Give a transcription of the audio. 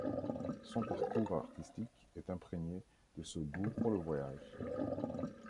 Son parcours artistique est imprégné de ce goût pour le voyage.